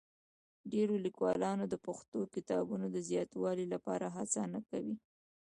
ډېری لیکوالان د پښتو کتابونو د زیاتوالي لپاره هڅه نه کوي.